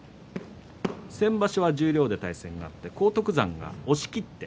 先場所は十両で対戦がありました。